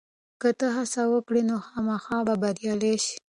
که ته هڅه وکړې، نو خامخا به بریالی شې.